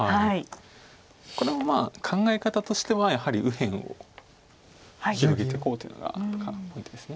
これも考え方としてはやはり右辺を広げていこうというのがポイントです。